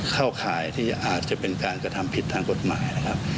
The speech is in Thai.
ข่ายที่อาจจะเป็นการกระทำผิดทางกฎหมายนะครับ